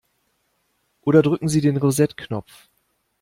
Oder drücken Sie den Reset-Knopf.